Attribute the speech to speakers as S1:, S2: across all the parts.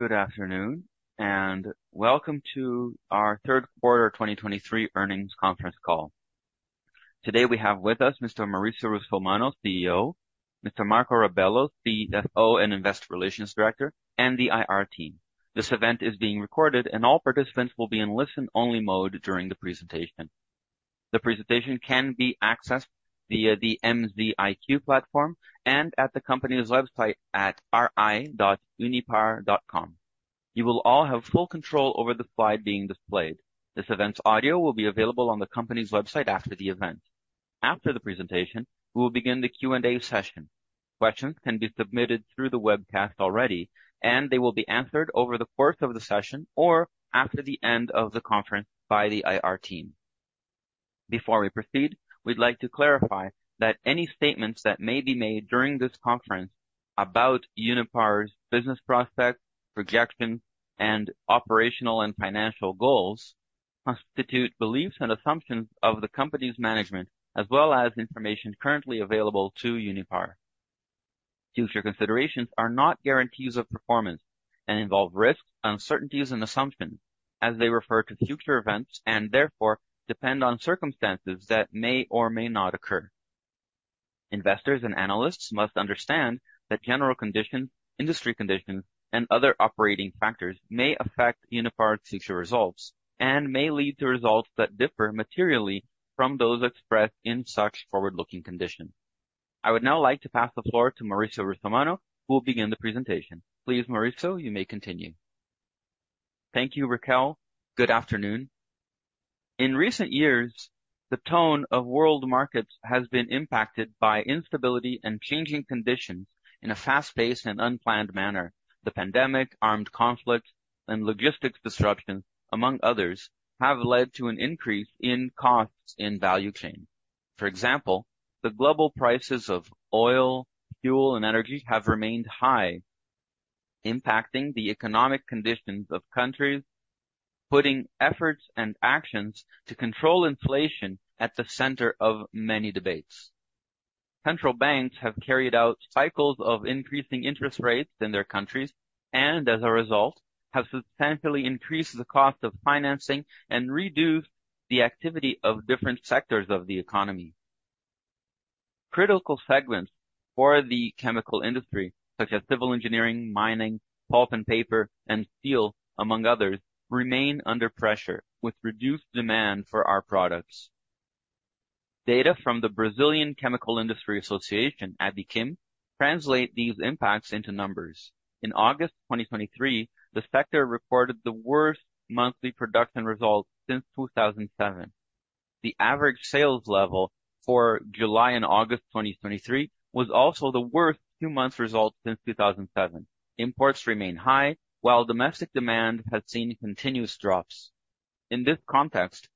S1: Good afternoon, and welcome to our third quarter 2023 earnings conference call. Today, we have with us Mr. Maurício Russomanno, CEO, Mr. Marco Rabello, CFO and Investor Relations Director, and the IR team. This event is being recorded, and all participants will be in listen-only mode during the presentation. The presentation can be accessed via the MZIQ platform and at the company's website at ri.unipar.com. You will all have full control over the slide being displayed. This event's audio will be available on the company's website after the event. After the presentation, we will begin the Q&A session. Questions can be submitted through the webcast already, and they will be answered over the course of the session or after the end of the conference by the IR team. Before we proceed, we'd like to clarify that any statements that may be made during this conference about Unipar's business prospects, projections, and operational and financial goals constitute beliefs and assumptions of the company's management, as well as information currently available to Unipar. Future considerations are not guarantees of performance and involve risks, uncertainties, and assumptions as they refer to future events and therefore depend on circumstances that may or may not occur. Investors and analysts must understand that general conditions, industry conditions, and other operating factors may affect Unipar's future results and may lead to results that differ materially from those expressed in such forward-looking conditions. I would now like to pass the floor to Maurício Russomanno, who will begin the presentation. Please, Mauricio, you may continue. Thank you, Raquel. Good afternoon.
S2: In recent years, the tone of world markets has been impacted by instability and changing conditions in a fast-paced and unplanned manner. The pandemic, armed conflict, and logistics disruptions, among others, have led to an increase in costs in value chain. For example, the global prices of oil, fuel, and energy have remained high, impacting the economic conditions of countries, putting efforts and actions to control inflation at the center of many debates. Central banks have carried out cycles of increasing interest rates in their countries and, as a result, have substantially increased the cost of financing and reduced the activity of different sectors of the economy. Critical segments for the chemical industry, such as civil engineering, mining, pulp and paper, and steel, among others, remain under pressure, with reduced demand for our products. Data from the Brazilian Chemical Industry Association, Abiquim, translate these impacts into numbers. In August 2023, the sector recorded the worst monthly production results since 2007. The average sales level for July and August 2023 was also the worst two months result since 2007. Imports remain high, while domestic demand has seen continuous drops. In this context,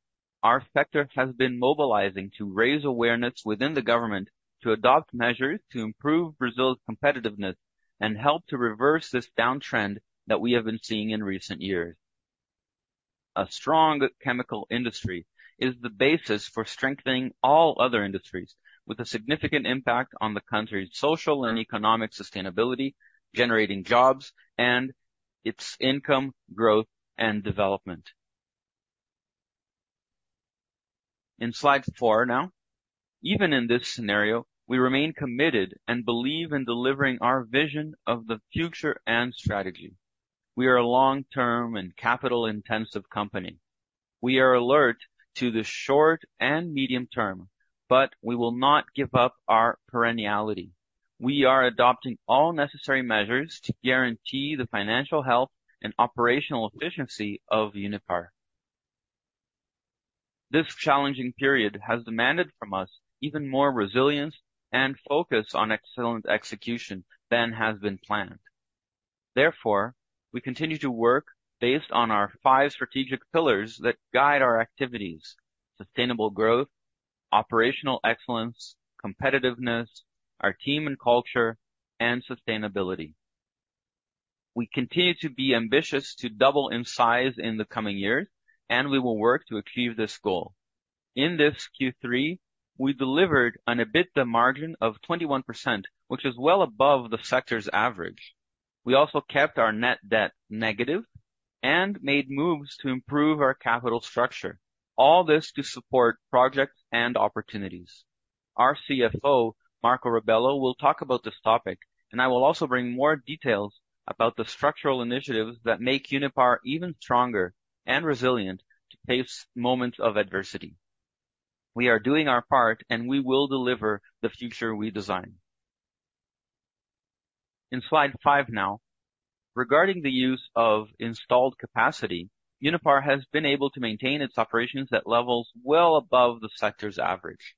S2: our sector has been mobilizing to raise awareness within the government to adopt measures to improve Brazil's competitiveness and help to reverse this downtrend that we have been seeing in recent years. A strong chemical industry is the basis for strengthening all other industries with a significant impact on the country's social and economic sustainability, generating jobs and its income growth and development. In slide four now. Even in this scenario, we remain committed and believe in delivering our vision of the future and strategy. We are a long-term and capital-intensive company. We are alert to the short and medium term, but we will not give up our perenniality. We are adopting all necessary measures to guarantee the financial health and operational efficiency of Unipar. This challenging period has demanded from us even more resilience and focus on excellent execution than has been planned. Therefore, we continue to work based on our five strategic pillars that guide our activities: sustainable growth, operational excellence, competitiveness, our team and culture, and sustainability. We continue to be ambitious to double in size in the coming years, and we will work to achieve this goal. In this Q3, we delivered an EBITDA margin of 21%, which is well above the sector's average. We also kept our net debt negative and made moves to improve our capital structure. All this to support projects and opportunities. Our CFO, Marco Rabello, will talk about this topic, and I will also bring more details about the structural initiatives that make Unipar even stronger and resilient to face moments of adversity. We are doing our part, and we will deliver the future we design. In slide five now. Regarding the use of installed capacity, Unipar has been able to maintain its operations at levels well above the sector's average.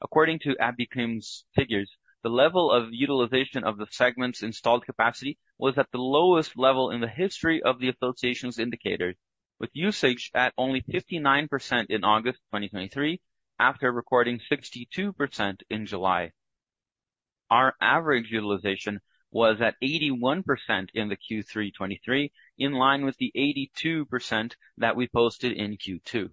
S2: According to Abiquim's figures, the level of utilization of the segment's installed capacity was at the lowest level in the history of the association's indicator, with usage at only 59% in August 2023, after recording 62% in July. Our average utilization was at 81% in the Q3 2023, in line with the 82% that we posted in Q2.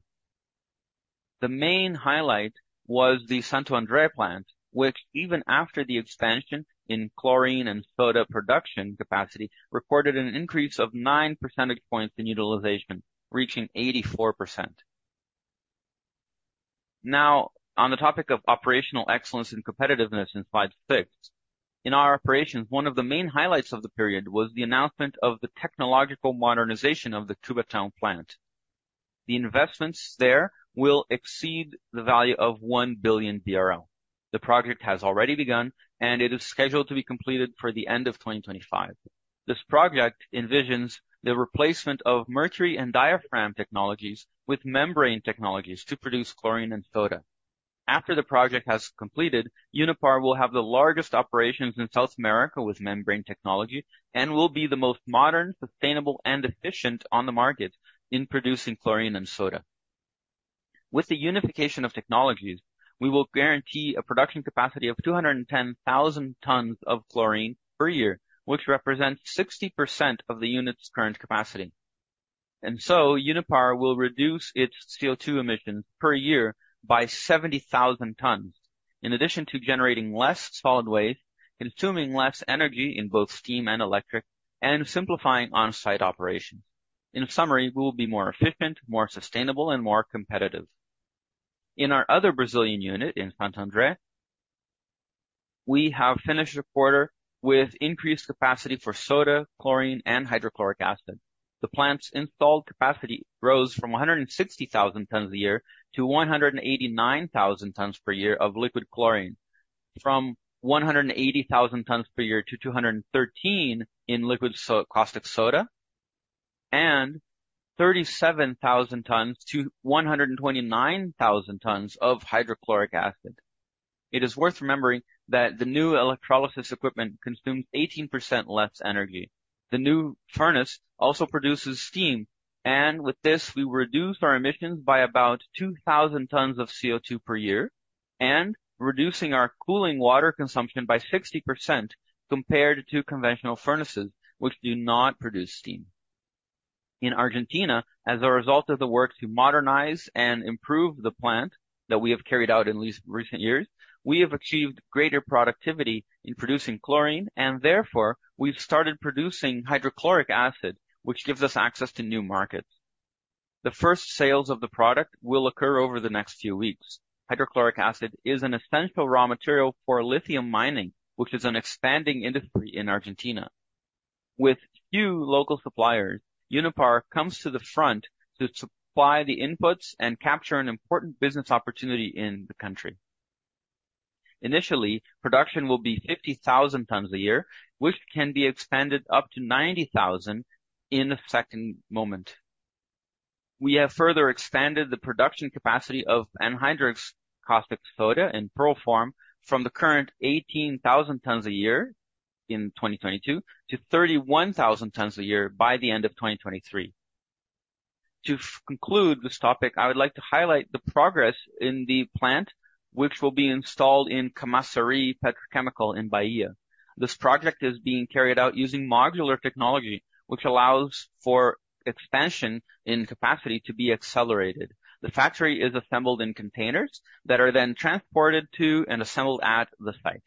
S2: The main highlight was the Santo André plant, which even after the expansion in chlorine and soda production capacity, recorded an increase of nine percentage points in utilization, reaching 84%. Now, on the topic of operational excellence and competitiveness in slide six. In our operations, one of the main highlights of the period was the announcement of the technological modernization of the Cubatão plant. The investments there will exceed the value of 1 billion. The project has already begun, and it is scheduled to be completed for the end of 2025. This project envisions the replacement of mercury and diaphragm technologies with membrane technologies to produce chlorine and soda. After the project has completed, Unipar will have the largest operations in South America with membrane technology and will be the most modern, sustainable, and efficient on the market in producing chlorine and soda. With the unification of technologies, we will guarantee a production capacity of 210,000 tons of chlorine per year, which represents 60% of the unit's current capacity. And so Unipar will reduce its CO2 emissions per year by 70,000 tons, in addition to generating less solid waste, consuming less energy in both steam and electric, and simplifying on-site operations. In summary, we will be more efficient, more sustainable, and more competitive. In our other Brazilian unit in Santo André, we have finished a quarter with increased capacity for soda, chlorine, and hydrochloric acid. The plant's installed capacity rose from 160,000 tons a year to 189,000 tons per year of liquid chlorine, from 180,000 tons per year to 213 thousand tons per year of liquid caustic soda, and 37,000 tons to 129,000 tons of hydrochloric acid. It is worth remembering that the new electrolysis equipment consumes 18% less energy. The new furnace also produces steam, and with this we reduced our emissions by about 2,000 tons of CO2 per year and reducing our cooling water consumption by 60% compared to conventional furnaces, which do not produce steam. In Argentina, as a result of the work to modernize and improve the plant that we have carried out in these recent years, we have achieved greater productivity in producing chlorine, and therefore we've started producing hydrochloric acid, which gives us access to new markets. The first sales of the product will occur over the next few weeks. Hydrochloric acid is an essential raw material for lithium mining, which is an expanding industry in Argentina. With few local suppliers, Unipar comes to the front to supply the inputs and capture an important business opportunity in the country. Initially, production will be 50,000 tons a year, which can be expanded up to 90,000 in a second moment. We have further expanded the production capacity of anhydrous caustic soda in pearl form from the current 18,000 tons a year in 2022 to 31,000 tons a year by the end of 2023. To conclude this topic, I would like to highlight the progress in the plant, which will be installed in Camaçari Petrochemical in Bahia. This project is being carried out using modular technology, which allows for expansion in capacity to be accelerated. The factory is assembled in containers that are then transported to and assembled at the site.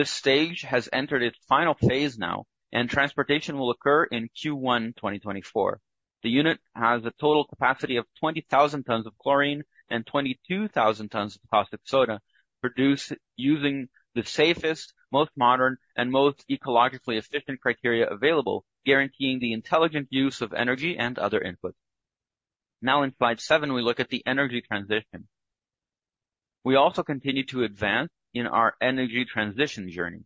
S2: This stage has entered its final phase now, and transportation will occur in Q1 2024. The unit has a total capacity of 20,000 tons of chlorine and 22,000 tons of caustic soda, produced using the safest, most modern, and most ecologically efficient criteria available, guaranteeing the intelligent use of energy and other inputs. Now, in slide seven, we look at the energy transition. We also continue to advance in our energy transition journey.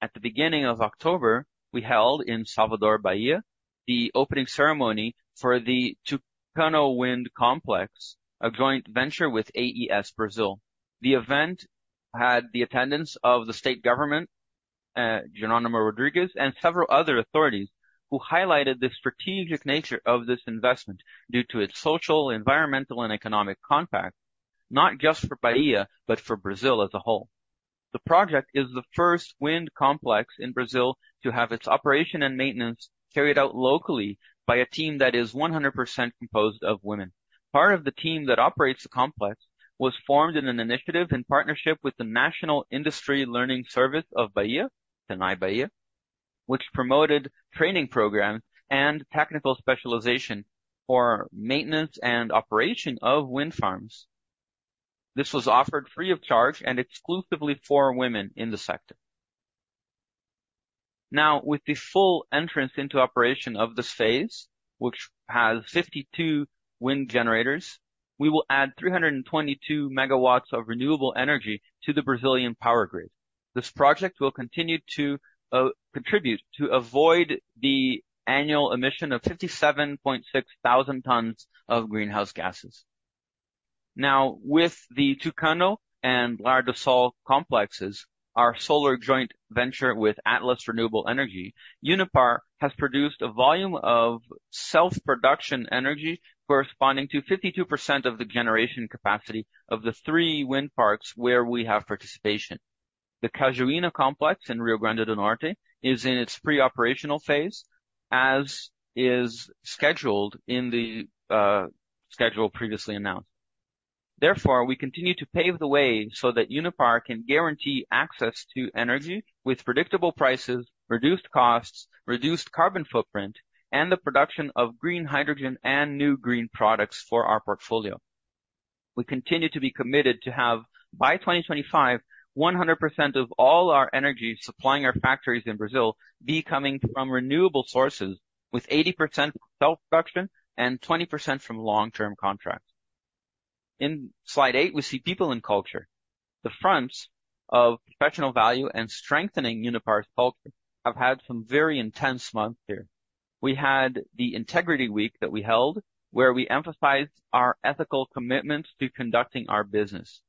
S2: At the beginning of October, we held in Salvador, Bahia, the opening ceremony for the Tucano Wind Complex, a joint venture with AES Brazil. The event had the attendance of the state government, Jerônimo Rodrigues, and several other authorities who highlighted the strategic nature of this investment due to its social, environmental, and economic compact, not just for Bahia, but for Brazil as a whole. The project is the first wind complex in Brazil to have its operation and maintenance carried out locally by a team that is 100% composed of women. Part of the team that operates the complex was formed in an initiative in partnership with the National Industry Learning Service of Bahia, SENAI Bahia, which promoted training programs and technical specialization for maintenance and operation of wind farms. This was offered free of charge and exclusively for women in the sector. Now, with the full entrance into operation of this phase, which has 52 wind generators, we will add 322 megawatts of renewable energy to the Brazilian power grid. This project will continue to contribute to avoid the annual emission of 57,600 tons of greenhouse gases. Now, with the Tucano and Lar do Sol complexes, our solar joint venture with Atlas Renewable Energy, Unipar has produced a volume of self-production energy corresponding to 52% of the generation capacity of the three wind parks where we have participation. The Cajuína Complex in Rio Grande do Norte is in its pre-operational phase, as is scheduled in the schedule previously announced. Therefore, we continue to pave the way so that Unipar can guarantee access to energy with predictable prices, reduced costs, reduced carbon footprint, and the production of green hydrogen and new green products for our portfolio. We continue to be committed to have, by 2025, 100% of all our energy supplying our factories in Brazil be coming from renewable sources, with 80% self-production and 20% from long-term contracts. In slide eight, we see people and culture. The fronts of professional value and strengthening Unipar's culture have had some very intense months here. We had the Integrity Week that we held, where we emphasized our ethical commitment to conducting our business.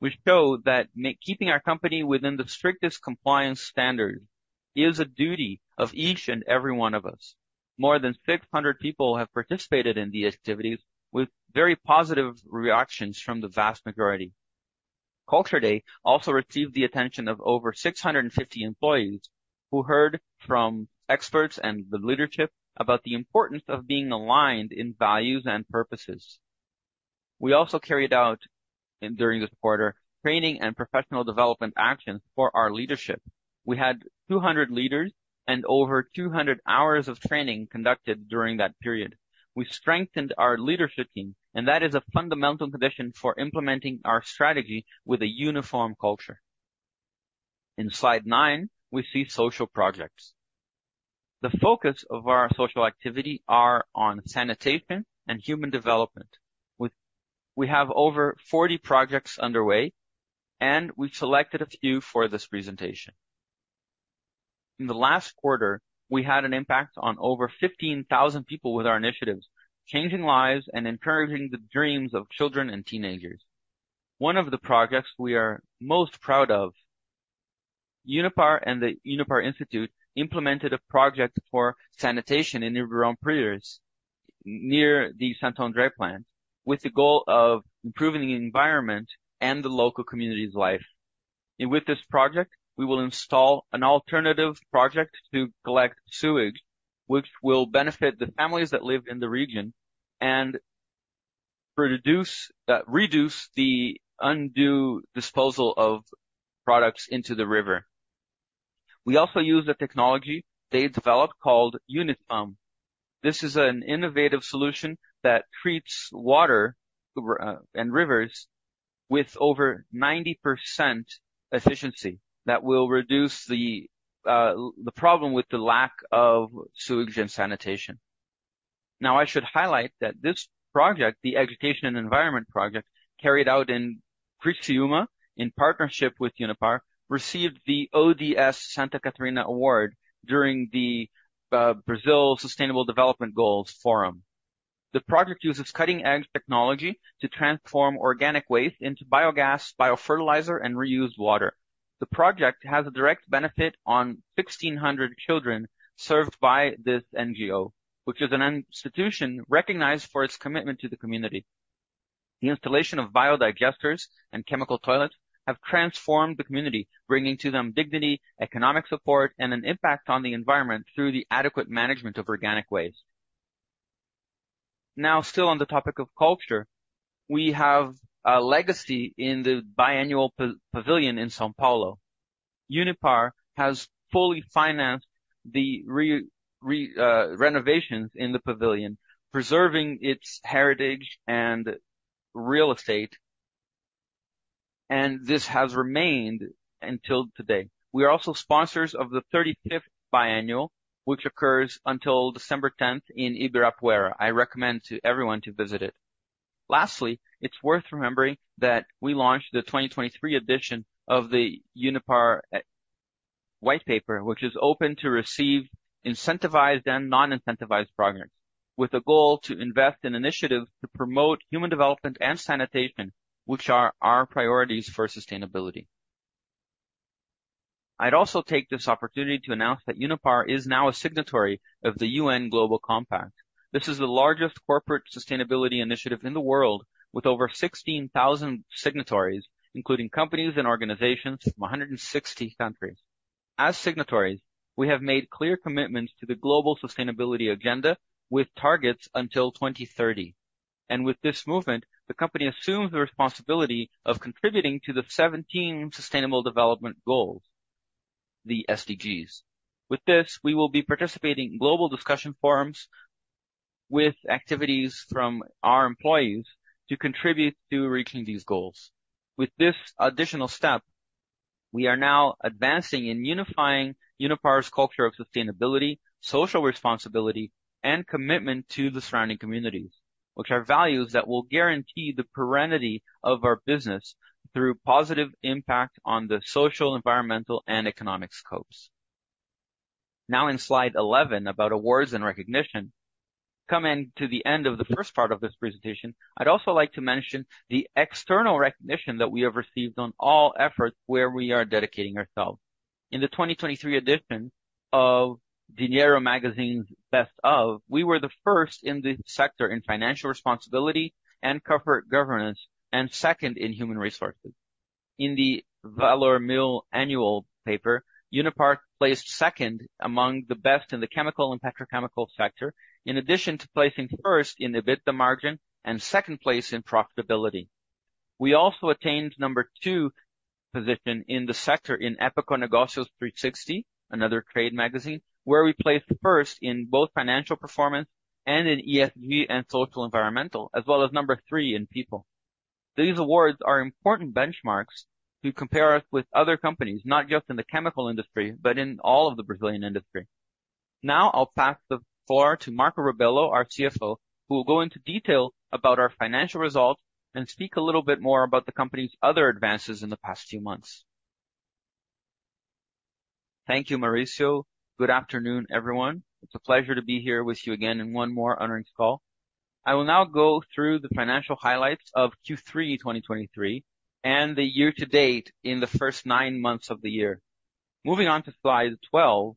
S2: We showed that keeping our company within the strictest compliance standard is a duty of each and every one of us. More than 600 people have participated in the activities, with very positive reactions from the vast majority. Culture Day also received the attention of over 650 employees, who heard from experts and the leadership about the importance of being aligned in values and purposes. We also carried out, during this quarter, training and professional development actions for our leadership. We had 200 leaders and over 200 hours of training conducted during that period. We strengthened our leadership team, and that is a fundamental condition for implementing our strategy with a uniform culture. In slide nine, we see social projects. The focus of our social activity are on sanitation and human development. We have over 40 projects underway, and we've selected a few for this presentation. In the last quarter, we had an impact on over 15,000 people with our initiatives, changing lives and encouraging the dreams of children and teenagers. One of the projects we are most proud of, Unipar and the Unipar Institute, implemented a project for sanitation in Ribeirão Preto, near the Santo André plant, with the goal of improving the environment and the local community's life. With this project, we will install an alternative project to collect sewage, which will benefit the families that live in the region and reduce the undue disposal of products into the river. We also use a technology they developed called Unitum. This is an innovative solution that treats water over and rivers with over 90% efficiency, that will reduce the problem with the lack of sewage and sanitation. Now, I should highlight that this project, the Education and Environment Project, carried out in Criciúma, in partnership with Unipar, received the ODS Santa Catarina Award during the Brazil Sustainable Development Goals Forum. The project uses cutting-edge technology to transform organic waste into biogas, biofertilizer, and reused water. The project has a direct benefit on 1,600 children served by this NGO, which is an institution recognized for its commitment to the community. The installation of biodigesters and chemical toilets have transformed the community, bringing to them dignity, economic support, and an impact on the environment through the adequate management of organic waste. Now, still on the topic of culture, we have a legacy in the Bienal Pavilion in São Paulo. Unipar has fully financed the renovations in the pavilion, preserving its heritage and real estate, and this has remained until today. We are also sponsors of the 35th biennial, which occurs until December tenth in Ibirapuera. I recommend to everyone to visit it. Lastly, it's worth remembering that we launched the 2023 edition of the Unipar White Paper, which is open to receive incentivized and non-incentivized programs, with a goal to invest in initiatives to promote human development and sanitation, which are our priorities for sustainability. I'd also take this opportunity to announce that Unipar is now a signatory of the UN Global Compact. This is the largest corporate sustainability initiative in the world, with over 16,000 signatories, including companies and organizations from 160 countries. As signatories, we have made clear commitments to the Global Sustainability Agenda with targets until 2030, and with this movement, the company assumes the responsibility of contributing to the 17 Sustainable Development Goals, the SDGs. With this, we will be participating in global discussion forums with activities from our employees to contribute to reaching these goals. With this additional step, we are now advancing in unifying Unipar's culture of sustainability, social responsibility, and commitment to the surrounding communities, which are values that will guarantee the perpetuity of our business through positive impact on the social, environmental, and economic scopes. Now in slide 11, about awards and recognition. Coming to the end of the first part of this presentation, I'd also like to mention the external recognition that we have received on all efforts where we are dedicating ourselves.... In the 2023 edition of Dinheiro Magazine's Best Of, we were the first in the sector in financial responsibility and corporate governance, and second in human resources. In the Valor Mil annual paper, Unipar placed second among the best in the chemical and petrochemical sector, in addition to placing first in EBITDA margin and second place in profitability. We also attained number two position in the sector in Época Negócios 360, another trade magazine, where we placed first in both financial performance and in ESG and social environmental, as well as number three in people. These awards are important benchmarks to compare us with other companies, not just in the chemical industry, but in all of the Brazilian industry. Now I'll pass the floor to Marco Rabello, our CFO, who will go into detail about our financial results and speak a little bit more about the company's other advances in the past few months. Thank you, Maurício. Good afternoon, everyone. It's a pleasure to be here with you again in one more earnings call. I will now go through the financial highlights of Q3 2023 and the year to date in the first nine months of the year.
S3: Moving on to slide 12,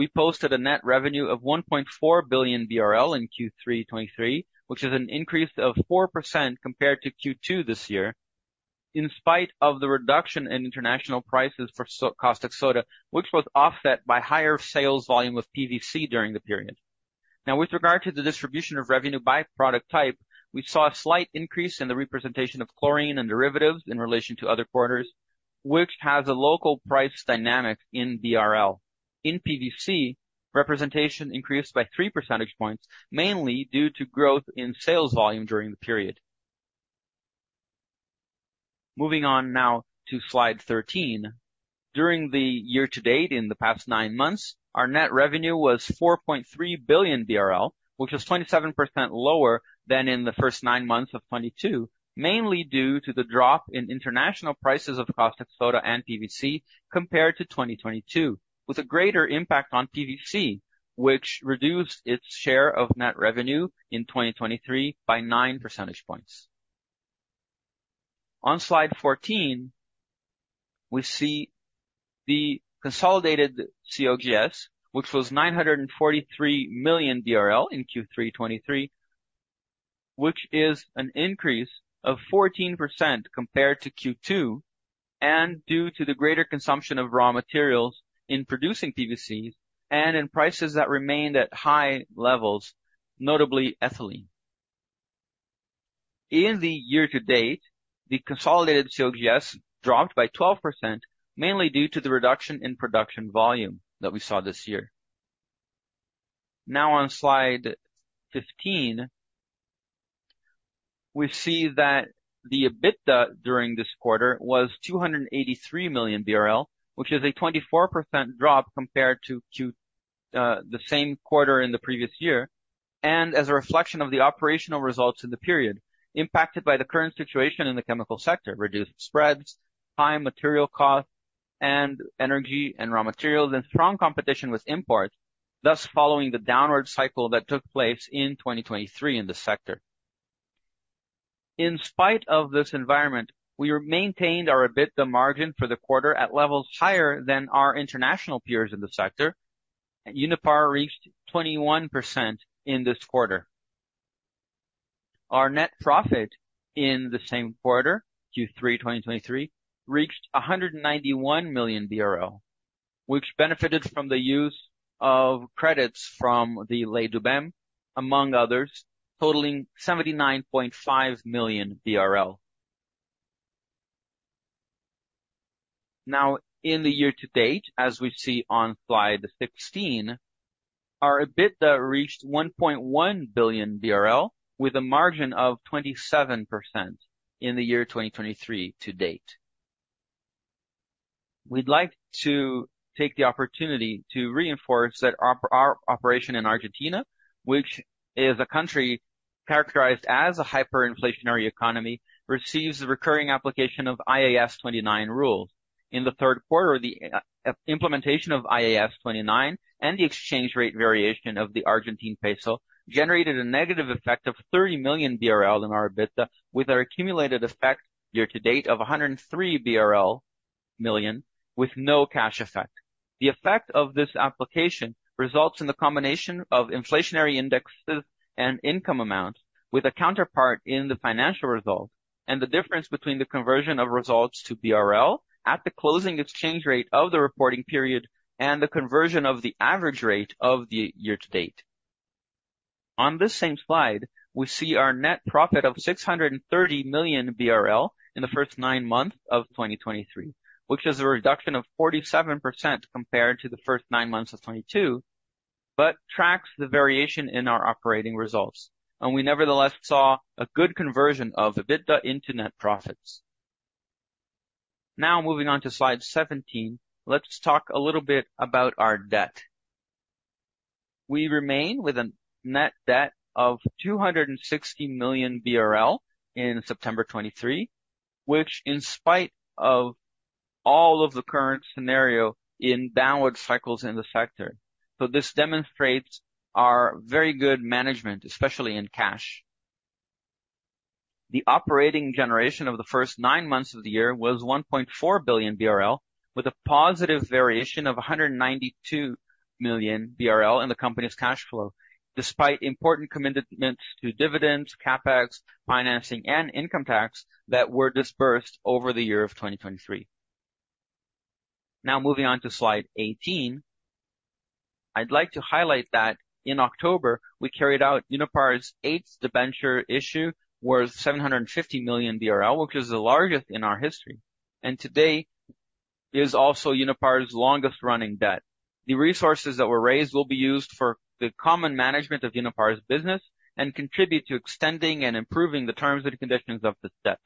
S3: we posted a net revenue of 1.4 billion BRL in Q3 2023, which is an increase of 4% compared to Q2 this year, in spite of the reduction in international prices for caustic soda, which was offset by higher sales volume of PVC during the period. Now, with regard to the distribution of revenue by product type, we saw a slight increase in the representation of chlorine and derivatives in relation to other quarters, which has a local price dynamic in BRL. In PVC, representation increased by three percentage points, mainly due to growth in sales volume during the period. Moving on now to slide 13. During the year to date, in the past nine months, our net revenue was 4.3 billion BRL, which is 27% lower than in the first nine months of 2022, mainly due to the drop in international prices of caustic soda and PVC compared to 2022, with a greater impact on PVC, which reduced its share of net revenue in 2023 by nine percentage points. On slide 14, we see the consolidated COGS, which was 943 million in Q3 2023, which is an increase of 14% compared to Q2, and due to the greater consumption of raw materials in producing PVC and in prices that remained at high levels, notably ethylene. In the year to date, the consolidated COGS dropped by 12%, mainly due to the reduction in production volume that we saw this year. Now on slide 15, we see that the EBITDA during this quarter was 283 million BRL, which is a 24% drop compared to Q, the same quarter in the previous year, and as a reflection of the operational results in the period impacted by the current situation in the chemical sector, reduced spreads, high material costs and energy and raw materials, and strong competition with imports, thus following the downward cycle that took place in 2023 in this sector. In spite of this environment, we maintained our EBITDA margin for the quarter at levels higher than our international peers in the sector. Unipar reached 21% in this quarter. Our net profit in the same quarter, Q3 2023, reached 191 million BRL, which benefited from the use of credits from the Lei do Bem, among others, totaling 79.5 million BRL. Now, in the year to date, as we see on slide 16, our EBITDA reached 1.1 billion BRL, with a margin of 27% in the year 2023 to date. We'd like to take the opportunity to reinforce that our operation in Argentina, which is a country characterized as a hyperinflationary economy, receives the recurring application of IAS 29 rules. In the third quarter, the implementation of IAS 29 and the exchange rate variation of the Argentine peso generated a negative effect of 30 million BRL in our EBITDA, with our accumulated effect year to date of 103 million BRL with no cash effect. The effect of this application results in the combination of inflationary indexes and income amounts, with a counterpart in the financial results, and the difference between the conversion of results to BRL at the closing exchange rate of the reporting period and the conversion of the average rate of the year to date. On this same slide, we see our net profit of 630 million BRL in the first nine months of 2023, which is a reduction of 47% compared to the first nine months of 2022, but tracks the variation in our operating results. We nevertheless saw a good conversion of EBITDA into net profits. Now, moving on to slide 17, let's talk a little bit about our debt. We remain with a net debt of 260 million BRL in September 2023, which in spite of all of the current scenario, in downward cycles in the sector. So this demonstrates our very good management, especially in cash. The operating generation of the first nine months of the year was 1.4 billion BRL, with a positive variation of 192 million BRL in the company's cash flow, despite important commitments to dividends, CapEx, financing, and income tax that were disbursed over the year of 2023. Now moving on to slide 18. I'd like to highlight that in October, we carried out Unipar's 8th debenture issue worth 750 million BRL, which is the largest in our history, and today is also Unipar's longest-running debt. The resources that were raised will be used for the common management of Unipar's business and contribute to extending and improving the terms and conditions of this debt.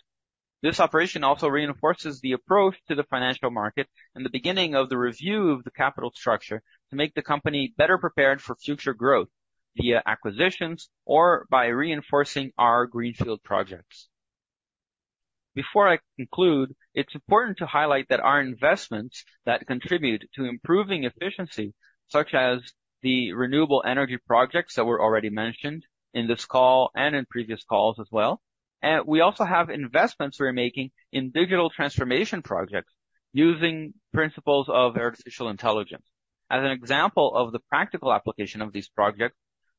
S3: This operation also reinforces the approach to the financial market and the beginning of the review of the capital structure to make the company better prepared for future growth via acquisitions or by reinforcing our greenfield projects. Before I conclude, it's important to highlight that our investments that contribute to improving efficiency, such as the renewable energy projects that were already mentioned in this call and in previous calls as well. We also have investments we're making in digital transformation projects using principles of artificial intelligence. As an example of the practical application of these projects,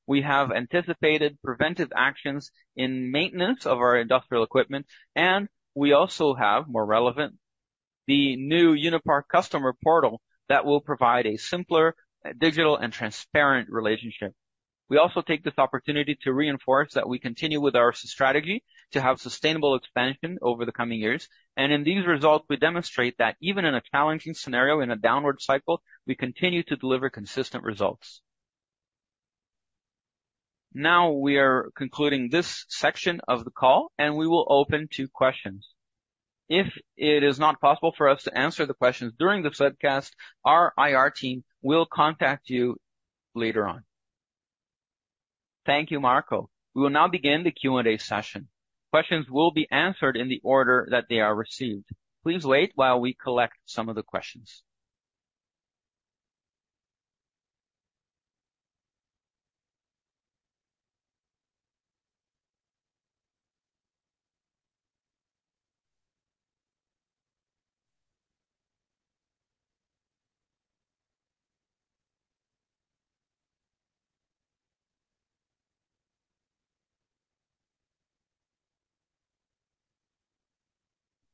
S3: we have anticipated preventive actions in maintenance of our industrial equipment, and we also have, more relevant, the new Unipar customer portal that will provide a simpler, digital, and transparent relationship. We also take this opportunity to reinforce that we continue with our strategy to have sustainable expansion over the coming years, and in these results, we demonstrate that even in a challenging scenario, in a downward cycle, we continue to deliver consistent results. Now we are concluding this section of the call, and we will open to questions. If it is not possible for us to answer the questions during this webcast, our IR team will contact you later on.
S1: Thank you, Marco. We will now begin the Q&A session. Questions will be answered in the order that they are received. Please wait while we collect some of the questions.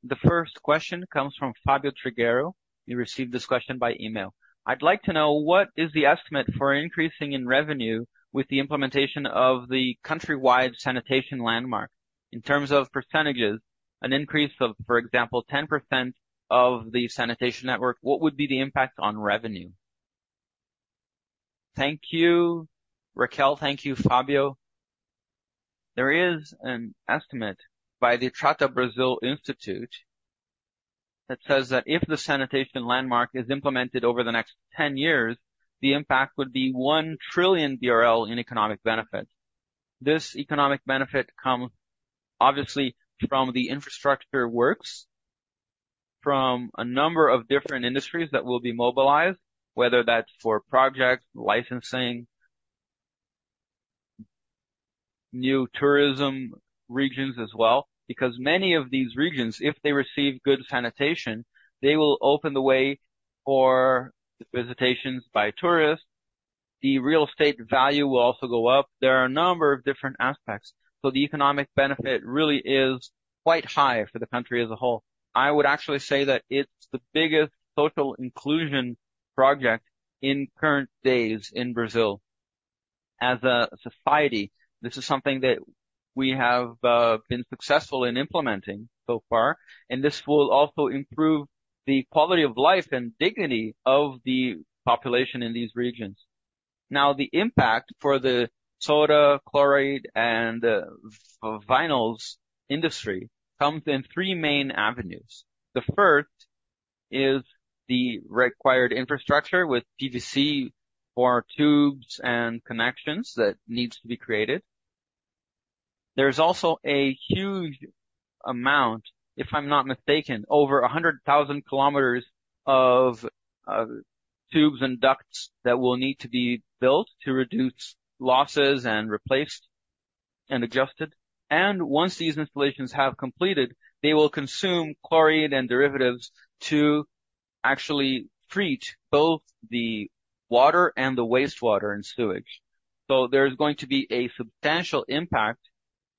S1: The first question comes from Fabio Trigueiro. You received this question by email. I'd like to know what is the estimate for increasing in revenue with the implementation of the country-wide sanitation landmark? In terms of percentages, an increase of, for example, 10% of the sanitation network, what would be the impact on revenue?
S2: Thank you, Raquel. Thank you, Fabio. There is an estimate by the Trata Brasil Institute that says that if the sanitation landmark is implemented over the next 10 years, the impact would be 1 trillion BRL in economic benefits. This economic benefit comes obviously from the infrastructure works, from a number of different industries that will be mobilized, whether that's for projects, licensing, new tourism regions as well, because many of these regions, if they receive good sanitation, they will open the way for visitations by tourists. The real estate value will also go up. There are a number of different aspects, so the economic benefit really is quite high for the country as a whole. I would actually say that it's the biggest social inclusion project in current days in Brazil. As a society, this is something that we have been successful in implementing so far, and this will also improve the quality of life and dignity of the population in these regions. Now, the impact for the soda, chlorine, and vinyls industry comes in three main avenues. The first is the required infrastructure, with PVC for tubes and connections that needs to be created. There's also a huge amount, if I'm not mistaken, over 100,000 kilometers of tubes and ducts that will need to be built to reduce losses and replaced and adjusted. Once these installations have completed, they will consume chloride and derivatives to actually treat both the water and the wastewater and sewage. There's going to be a substantial impact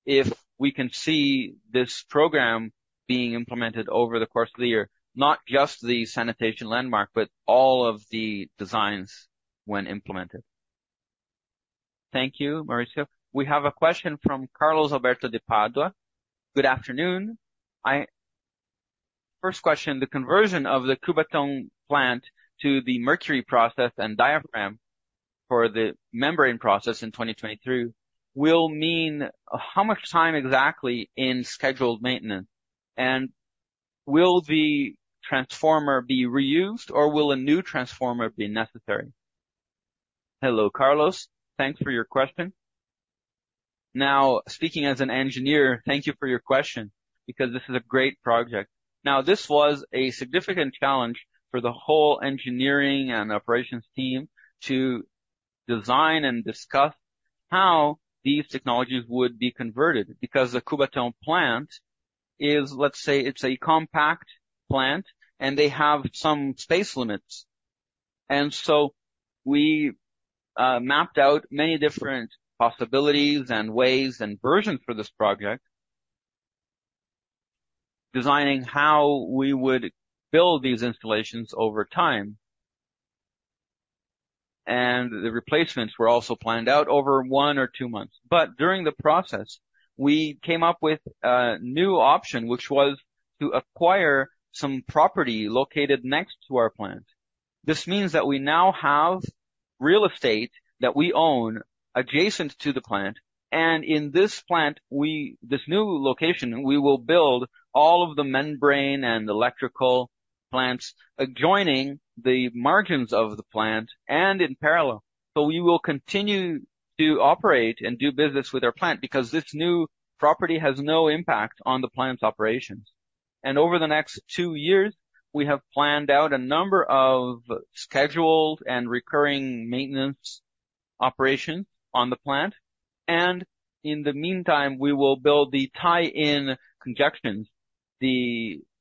S2: if we can see this program being implemented over the course of the year, not just the sanitation landmark, but all of the designs when implemented.
S1: Thank you, Maurício. We have a question from Carlos Alberto de Padua. Good afternoon. First question, the conversion of the Cubatão plant to the mercury process and diaphragm for the membrane process in 2023 will mean how much time exactly in scheduled maintenance, and will the transformer be reused, or will a new transformer be necessary?
S2: Hello, Carlos, thanks for your question. Now, speaking as an engineer, thank you for your question, because this is a great project. Now, this was a significant challenge for the whole engineering and operations team to design and discuss how these technologies would be converted, because the Cubatão plant is, let's say, it's a compact plant, and they have some space limits. And so we mapped out many different possibilities and ways and versions for this project. Designing how we would build these installations over time. And the replacements were also planned out over one or two months. But during the process, we came up with a new option, which was to acquire some property located next to our plant. This means that we now have real estate that we own adjacent to the plant, and in this plant, we, this new location, we will build all of the membrane and electrical plants adjoining the margins of the plant and in parallel. So we will continue to operate and do business with our plant because this new property has no impact on the plant's operations. And over the next two years, we have planned out a number of scheduled and recurring maintenance operations on the plant, and in the meantime, we will build the tie-in conjunction,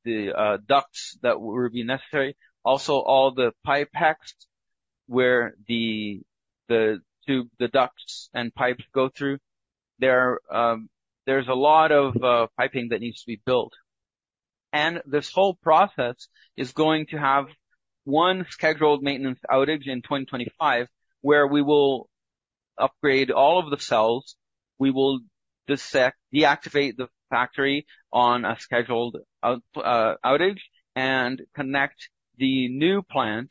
S2: the ducts that will be necessary. Also, all the pipe packs where the tube, the ducts and pipes go through, there are, there's a lot of piping that needs to be built. And this whole process is going to have one scheduled maintenance outage in 2025, where we will upgrade all of the cells. We will dissect, deactivate the factory on a scheduled outage, and connect the new plant,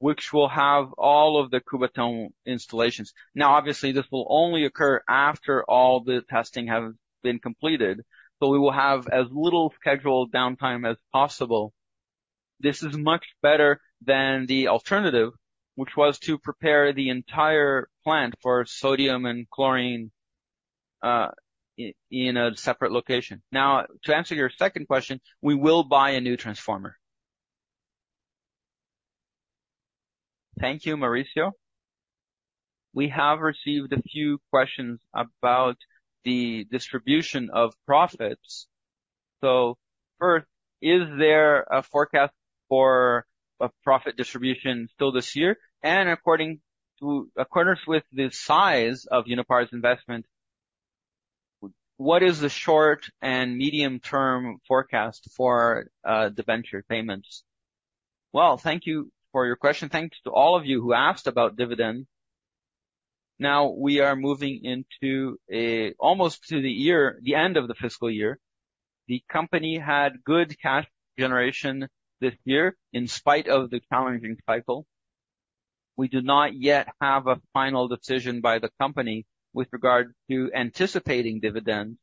S2: which will have all of the Cubatão installations. Now, obviously, this will only occur after all the testing have been completed, but we will have as little scheduled downtime as possible. This is much better than the alternative, which was to prepare the entire plant for sodium and chlorine in a separate location. Now, to answer your second question, we will buy a new transformer.
S1: Thank you, Maurício. We have received a few questions about the distribution of profits. So first, is there a forecast for a profit distribution still this year? And in accordance with the size of Unipar's investment, what is the short and medium-term forecast for the venture payments?
S3: Well, thank you for your question. Thanks to all of you who asked about dividend. Now we are moving into almost to the end of the fiscal year. The company had good cash generation this year in spite of the challenging cycle. We do not yet have a final decision by the company with regard to anticipating dividends,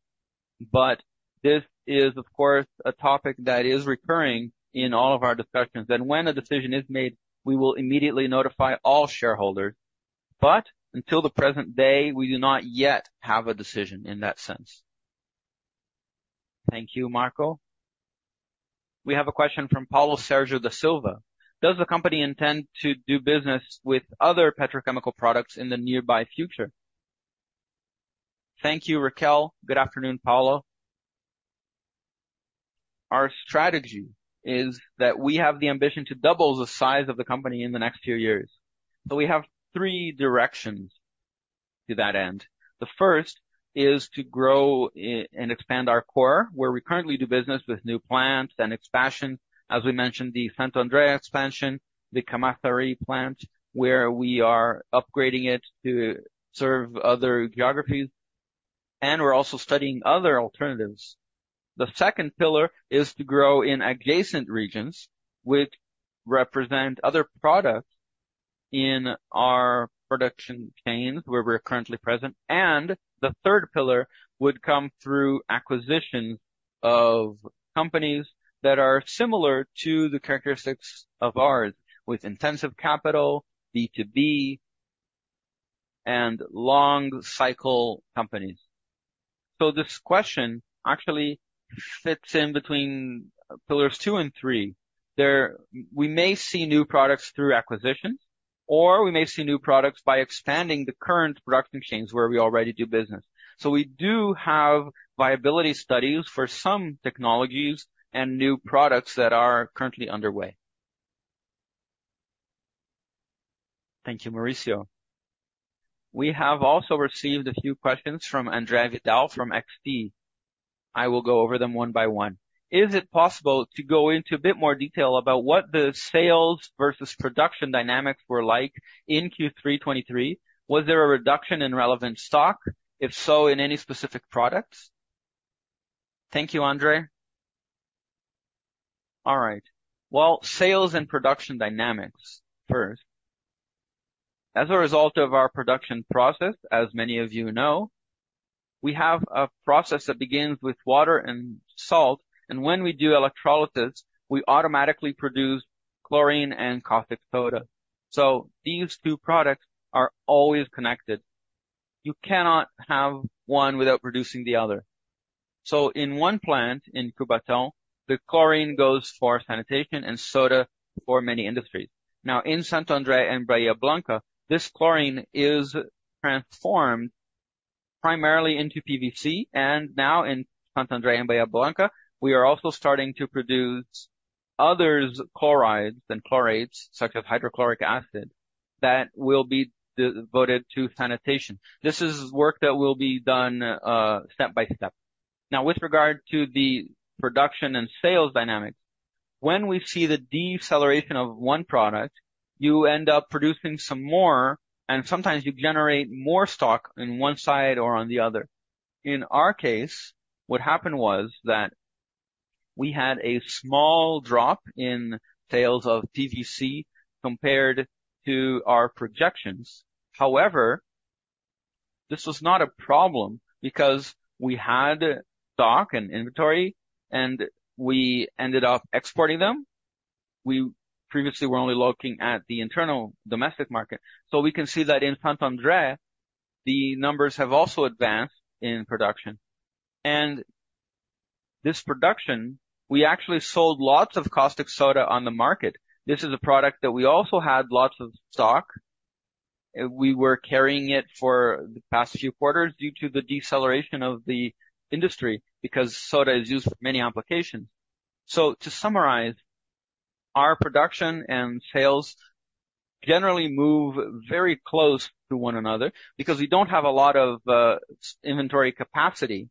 S3: but this is, of course, a topic that is recurring in all of our discussions, and when a decision is made, we will immediately notify all shareholders. But until the present day, we do not yet have a decision in that sense.
S1: Thank you, Marco. We have a question from Paulo Sergio da Silva: Does the company intend to do business with other petrochemical products in the near future?
S2: Thank you, Raquel. Good afternoon, Paulo. Our strategy is that we have the ambition to double the size of the company in the next few years. So we have three directions to that end. The first is to grow and expand our core, where we currently do business with new plants and expansion. As we mentioned, the Santo André expansion, the Camaçari plant, where we are upgrading it to serve other geographies, and we're also studying other alternatives. The second pillar is to grow in adjacent regions, which represent other products in our production chains, where we're currently present. And the third pillar would come through acquisitions of companies that are similar to the characteristics of ours, with intensive capital, B2B, and long cycle companies. So this question actually fits in between pillars two and three. There, we may see new products through acquisitions, or we may see new products by expanding the current production chains where we already do business. So we do have viability studies for some technologies and new products that are currently underway.
S1: Thank you, Maurício. We have also received a few questions from Andre Vidal from XP. I will go over them one by one. Is it possible to go into a bit more detail about what the sales versus production dynamics were like in Q3 2023? Was there a reduction in relevant stock? If so, in any specific products?
S2: Thank you, Andre. All right. Well, sales and production dynamics first. As a result of our production process, as many of you know, we have a process that begins with water and salt, and when we do electrolysis, we automatically produce chlorine and caustic soda. So these two products are always connected. You cannot have one without producing the other.... So in one plant, in Cubatão, the chlorine goes for sanitation and soda for many industries. Now, in Santo André and Bahía Blanca, this chlorine is transformed primarily into PVC, and now in Santo André and Bahía Blanca, we are also starting to produce others chlorides and chlorides, such as hydrochloric acid, that will be devoted to sanitation. This is work that will be done, step-by-step. Now, with regard to the production and sales dynamics, when we see the deceleration of one product, you end up producing some more, and sometimes you generate more stock on one side or on the other. In our case, what happened was that we had a small drop in sales of PVC compared to our projections. However, this was not a problem because we had stock and inventory, and we ended up exporting them. We previously were only looking at the internal domestic market. So we can see that in Santo André, the numbers have also advanced in production. And this production, we actually sold lots of caustic soda on the market. This is a product that we also had lots of stock, and we were carrying it for the past few quarters due to the deceleration of the industry, because soda is used for many applications. So to summarize, our production and sales generally move very close to one another because we don't have a lot of inventory capacity.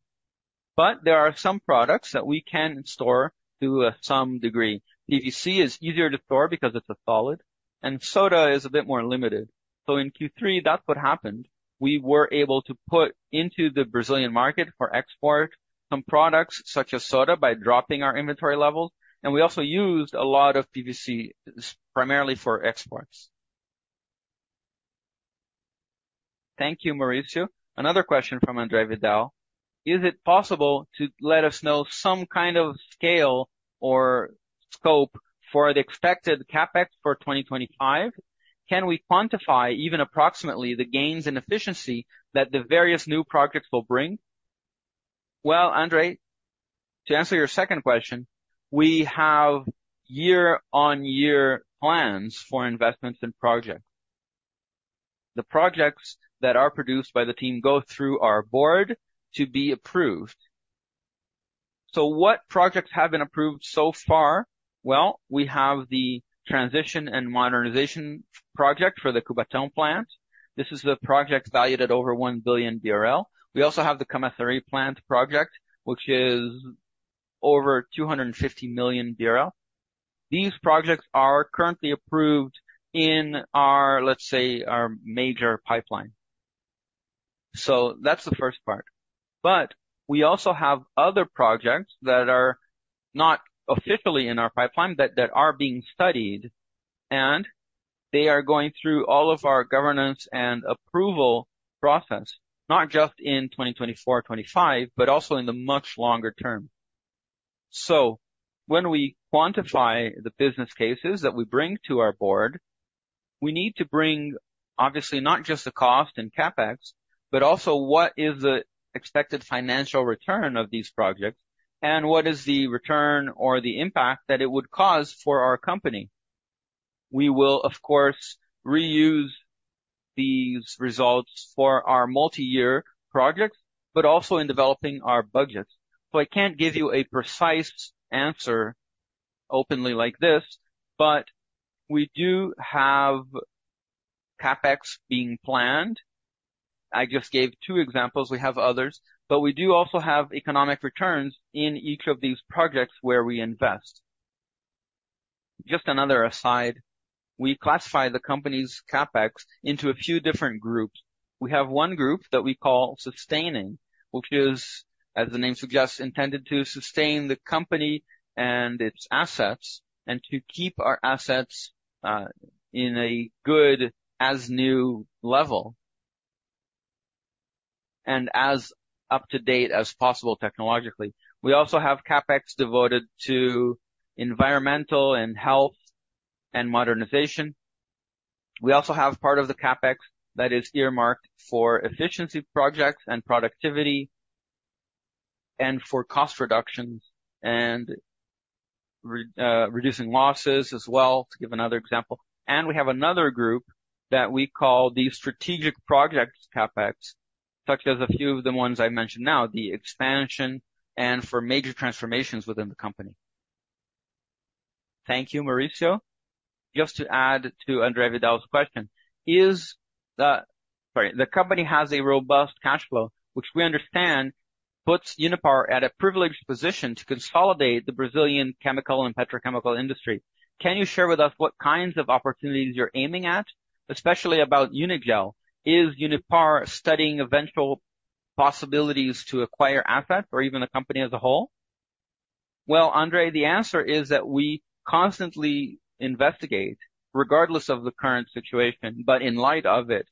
S2: But there are some products that we can store to some degree. PVC is easier to store because it's a solid, and soda is a bit more limited. So in Q3, that's what happened. We were able to put into the Brazilian market for export some products such as soda, by dropping our inventory levels, and we also used a lot of PVC, primarily for exports.
S1: Thank you, Maurício. Another question from Andre Vidal: Is it possible to let us know some kind of scale or scope for the expected CapEx for 2025? Can we quantify, even approximately, the gains in efficiency that the various new projects will bring?
S2: Well, Andre, to answer your second question, we have year-on-year plans for investments in projects. The projects that are produced by the team go through our board to be approved. So what projects have been approved so far? Well, we have the transition and modernization project for the Cubatão plant. This is the project valued at over 1 billion BRL. We also have the Camaçari plant project, which is over 250 million BRL. These projects are currently approved in our, let's say, our major pipeline. So that's the first part. But we also have other projects that are not officially in our pipeline, that are being studied, and they are going through all of our governance and approval process, not just in 2024, 2025, but also in the much longer term. So when we quantify the business cases that we bring to our board, we need to bring, obviously, not just the cost and CapEx, but also what is the expected financial return of these projects, and what is the return or the impact that it would cause for our company. We will, of course, reuse these results for our multi-year projects, but also in developing our budgets. I can't give you a precise answer openly like this, but we do have CapEx being planned. I just gave two examples, we have others, but we do also have economic returns in each of these projects where we invest. Just another aside, we classify the company's CapEx into a few different groups. We have one group that we call sustaining, which is, as the name suggests, intended to sustain the company and its assets, and to keep our assets in a good, as new level, and as up-to-date as possible technologically. We also have CapEx devoted to environmental and health and modernization. We also have part of the CapEx that is earmarked for efficiency projects and productivity, and for cost reductions and reducing losses as well, to give another example. And we have another group that we call the strategic projects CapEx, such as a few of the ones I mentioned now, the expansion and for major transformations within the company.
S1: Thank you, Maurício. Just to add to Andre Vidal's question, the company has a robust cash flow, which we understand puts Unipar at a privileged position to consolidate the Brazilian chemical and petrochemical industry. Can you share with us what kinds of opportunities you're aiming at, especially about Unigel? Is Unipar studying eventual possibilities to acquire assets or even a company as a whole?
S2: Well, Andre, the answer is that we constantly investigate, regardless of the current situation, but in light of it.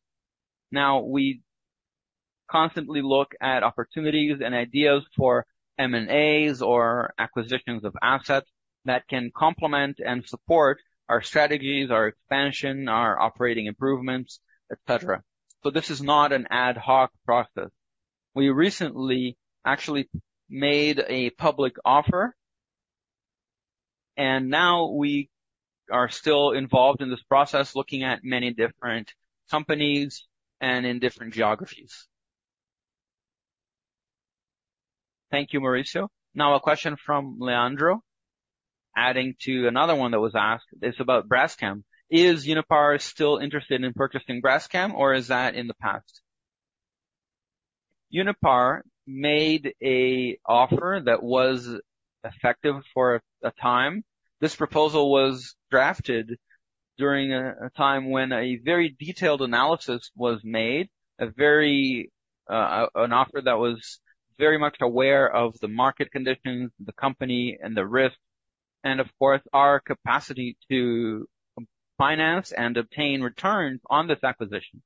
S2: Now, we constantly look at opportunities and ideas for M&As or acquisitions of assets that can complement and support our strategies, our expansion, our operating improvements, et cetera. So this is not an ad hoc process. We recently actually made a public offer, and now we are still involved in this process, looking at many different companies and in different geographies.
S1: Thank you, Maurício. Now a question from Leandro, adding to another one that was asked. It's about Braskem. Is Unipar still interested in purchasing Braskem, or is that in the past?
S2: Unipar made an offer that was effective for a time. This proposal was drafted during a time when a very detailed analysis was made, an offer that was very much aware of the market conditions, the company and the risks, and of course, our capacity to finance and obtain returns on this acquisition.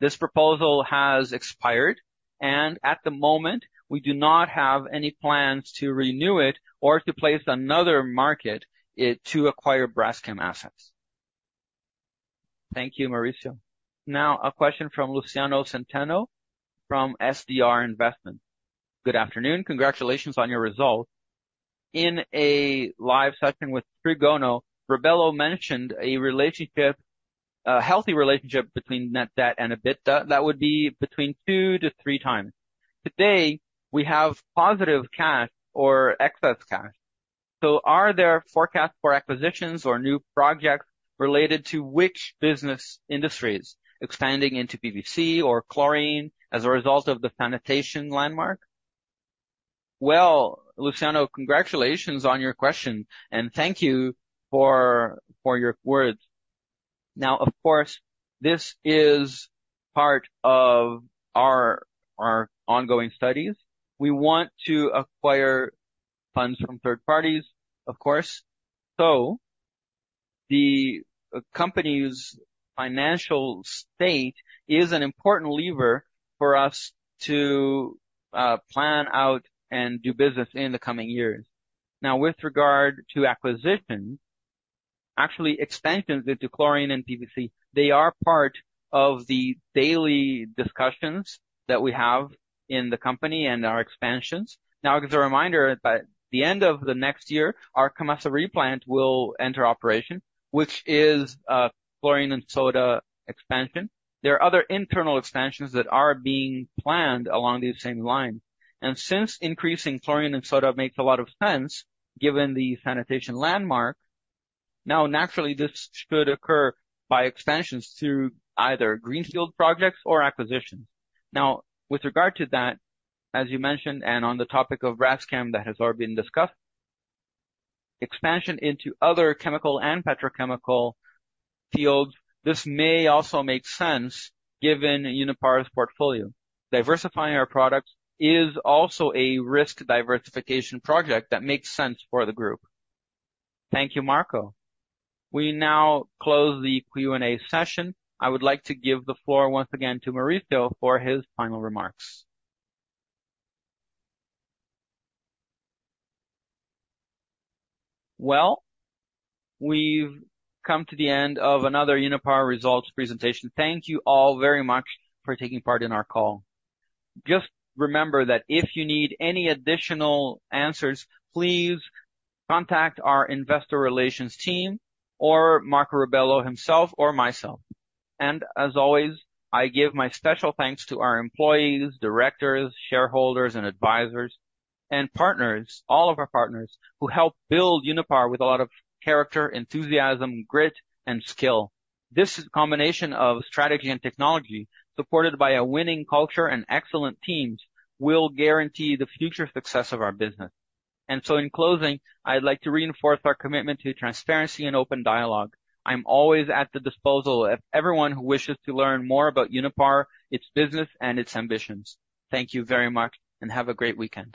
S2: This proposal has expired, and at the moment we do not have any plans to renew it or to place another bid to acquire Braskem assets.
S1: Thank you, Maurício. Now, a question from Luciano Centeno from SDR Investment. Good afternoon. Congratulations on your results. In a live session with Trigono, Rabello mentioned a relationship, a healthy relationship between net debt and EBITDA. That would be between 2-3 times. Today, we have positive cash or excess cash, so are there forecasts for acquisitions or new projects related to which business industries expanding into PVC or chlorine as a result of the sanitation landmark?
S3: Well, Luciano, congratulations on your question, and thank you for, for your words. Now, of course, this is part of our, our ongoing studies. We want to acquire funds from third parties, of course, so the company's financial state is an important lever for us to plan out and do business in the coming years. Now, with regard to acquisition, actually expansions into chlorine and PVC, they are part of the daily discussions that we have in the company and our expansions. Now, as a reminder, by the end of the next year, our Camaçari plant will enter operation, which is a chlorine and soda expansion. There are other internal expansions that are being planned along these same lines, and since increasing chlorine and soda makes a lot of sense, given the sanitation landmark, now, naturally, this should occur by expansions through either greenfield projects or acquisitions. Now, with regard to that, as you mentioned, and on the topic of Braskem, that has already been discussed, expansion into other chemical and petrochemical fields, this may also make sense given Unipar's portfolio. Diversifying our products is also a risk diversification project that makes sense for the group.
S1: Thank you, Marco. We now close the Q&A session. I would like to give the floor once again to Maurício for his final remarks.
S2: Well, we've come to the end of another Unipar Results presentation. Thank you all very much for taking part in our call. Just remember that if you need any additional answers, please contact our investor relations team or Marco Rabello himself or myself. And as always, I give my special thanks to our employees, directors, shareholders and advisors and partners, all of our partners who help build Unipar with a lot of character, enthusiasm, grit, and skill. This combination of strategy and technology, supported by a winning culture and excellent teams, will guarantee the future success of our business. And so in closing, I'd like to reinforce our commitment to transparency and open dialogue. I'm always at the disposal of everyone who wishes to learn more about Unipar, its business and its ambitions. Thank you very much and have a great weekend.